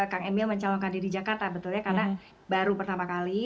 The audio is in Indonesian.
kang emil mencalonkan diri jakarta betul ya karena baru pertama kali